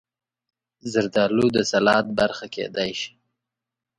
زردالو د سلاد برخه کېدای شي.